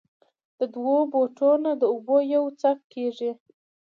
د دؤو ټوټو نه د اوبو يو يو څک کېږي